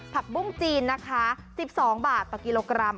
ผักบุ้งจีนนะคะ๑๒บาทต่อกิโลกรัม